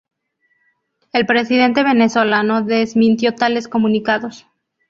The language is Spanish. El presidente venezolano desmintió tales comunicados.